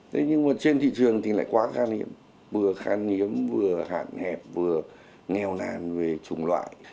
thế nhưng mà trên thị trường thì lại quá khan hiếm vừa khan hiếm vừa hạn hẹp vừa nghèo nàn về chủng loại